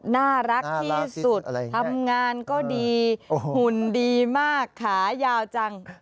น่ารักที่สุดทำงานก็ดีหุ่นดีมากขายาวจัง